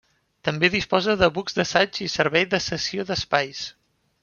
També disposa de bucs d’assaig i servei de cessió d’espais.